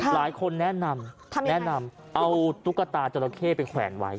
หลายคนแนะนำแนะนำเอาตุ๊กตาจราเข้ไปแขวนไว้